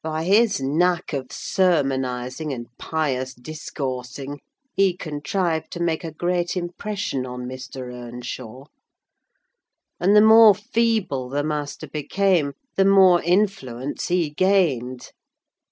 By his knack of sermonising and pious discoursing, he contrived to make a great impression on Mr. Earnshaw; and the more feeble the master became, the more influence he gained.